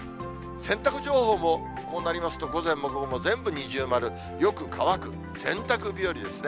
洗濯情報もこうなりますと、午前も午後も全部二重丸、よく乾く洗濯日和ですね。